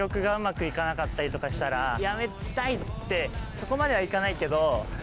そこまではいかないけど。